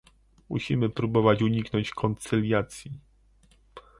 Musimy próbować uniknąć koncyliacji